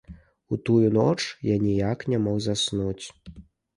У тую ноч я ніяк не мог заснуць.